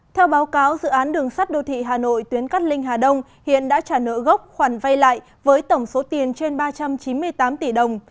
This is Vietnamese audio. theo báo cáo dự án đường sắt đô thị hà nội tuyến cát linh hà đông hiện đã trả nợ gốc khoản vay lại với tổng số tiền trên ba trăm chín mươi tám tỷ đồng